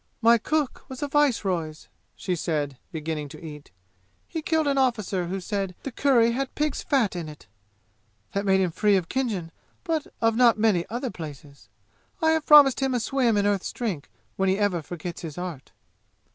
"My cook was a viceroy's," she said, beginning to eat. "He killed an officer who said the curry had pig's fat in it. That made him free of Khinjan but of not many other places! I have promised him a swim in Earth's Drink when he ever forgets his art!"